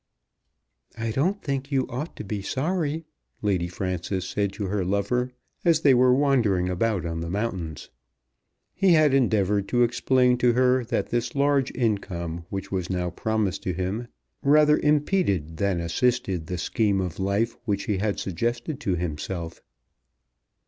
"I don't think you ought to be sorry," Lady Frances said to her lover as they were wandering about on the mountains. He had endeavoured to explain to her that this large income which was now promised to him rather impeded than assisted the scheme of life which he had suggested to himself.